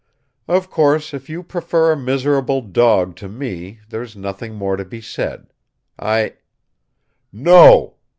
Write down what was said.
"Of course if you prefer a miserable dog to me, there's nothing more to be said. I " "No!"